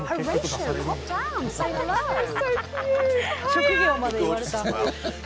職業まで言われた。